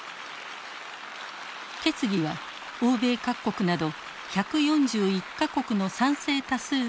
決議は欧米各国など１４１か国の賛成多数で採択。